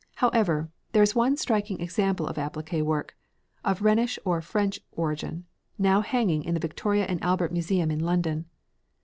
However, there is one striking example of appliqué work, of Rhenish or French origin, now hanging in the Victoria and Albert Museum in London.